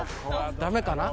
ダメかな。